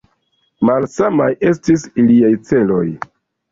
Malsamaj estis iliaj celoj.